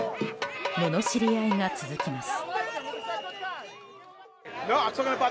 ののしり合いが続きます。